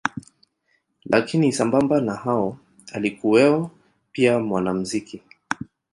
Lakini sambamba na hao alikuweo pia mwanamuziki